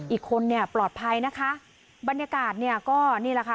อีกคนเนี่ยปลอดภัยนะคะบรรยากาศเนี่ยก็นี่แหละค่ะ